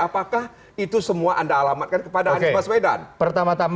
apakah itu semua anda alamatkan kepada anies baswedan